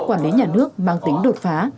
quản lý nhà nước mang tính đột phá